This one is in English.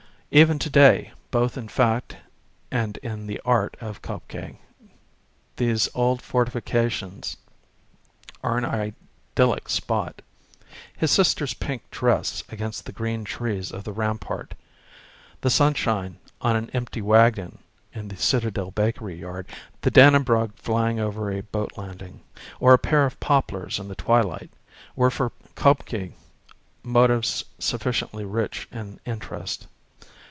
Even to day, both in fact and in the art of K0bke, these old fortifications are an idyllic spot. His sister's pink dress against the green trees of the rampart, the simshine on an empty wagon in the Citadel bakery yard, the Dannebrog flying over a boat landing, or a pair of poplars in the twilight, were for K0bke motives sufficiently rich in interest.